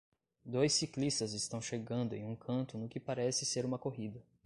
Dois ciclistas estão chegando em um canto no que parece ser uma corrida.